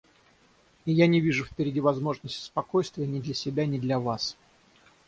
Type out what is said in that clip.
И я не вижу впереди возможности спокойствия ни для себя, ни для вас.